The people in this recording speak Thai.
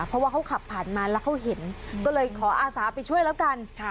เพราะว่าเขาขับผ่านมาแล้วเขาเห็นก็เลยขออาสาไปช่วยแล้วกัน